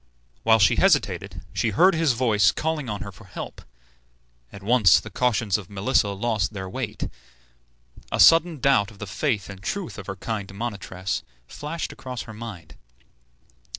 While she hesitated she heard his voice calling on her for help. At once the cautions of Melissa lost their weight. A sudden doubt of the faith and truth of her kind monitress flashed across her mind.